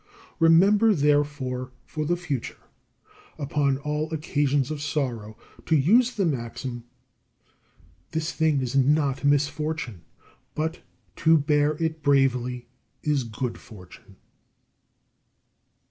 Remember, therefore, for the future, upon all occasions of sorrow, to use the maxim: this thing is not misfortune, but to bear it bravely is good fortune.